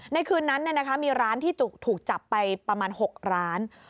ในคืนนั้นมีร้านที่ถูกจับไปประมาณ๖ร้าน